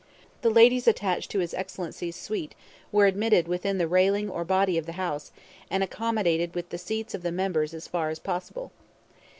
'The Ladies attached to His Excellency's Suite' were admitted 'within the railing or body of the House' and 'accommodated with the seats of the members as far as possible.'